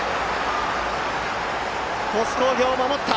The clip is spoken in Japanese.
鳥栖工業、守った！